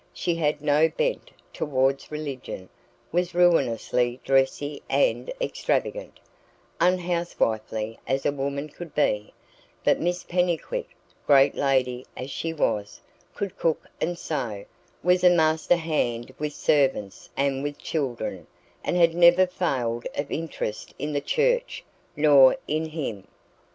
She had no bent towards religion, was ruinously dressy and extravagant, unhousewifely as a woman could be; but Miss Pennycuick, great lady as she was, could cook and sew, was a master hand with servants and with children, and had never failed of interest in the church nor in him.